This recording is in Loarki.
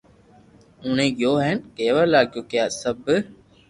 ھوئي گيو ھين ڪيوا لاگيو ڪي آ سب